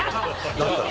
だったら。